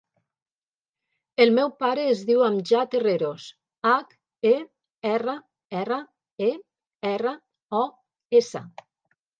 El meu pare es diu Amjad Herreros: hac, e, erra, erra, e, erra, o, essa.